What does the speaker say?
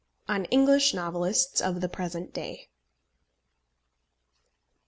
ON ENGLISH NOVELISTS OF THE PRESENT DAY.